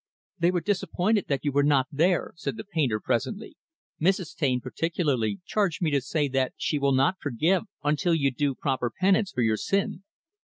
"They were disappointed that you were not there," said the painter, presently. "Mrs. Taine, particularly, charged me to say that she will not forgive, until you do proper penance for your sin."